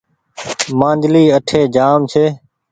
مآنجلي اٺي جآم ڇي۔